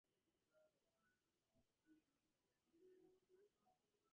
Afterwards, it undergoes fermentation in stainless steel tanks.